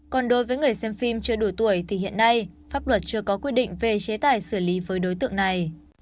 còn đối với người xem phim chưa đủ tuổi thì hiện nay pháp luật chưa có quy định về chế tài xử lý với đối tượng này